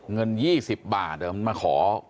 เงิน๒๐บาทเดี๋ยวมันมาขอ